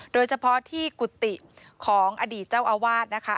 โดยเฉพาะที่กุฏิของอดีตเจ้าอาวาสนะคะ